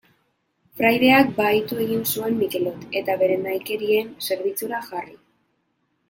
Fraideak bahitu egin zuen Mikelot, eta bere nahikerien zerbitzura jarri.